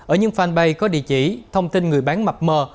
ở những fanpage có địa chỉ thông tin người bán mập mờ